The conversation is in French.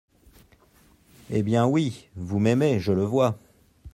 Eh ! bien, oui, vous m'aimez, je le vois.